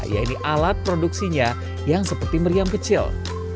yaitu alat produksinya yang seperti meriam kecil